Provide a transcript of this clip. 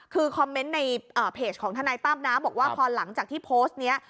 คือคอมเมนต์ในเพจของทนายตั้มนะบอกว่าพอหลังจากที่โพสต์นี้